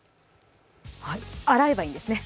はい、洗えばいいんですね。